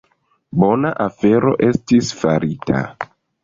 Bona afero estis farita.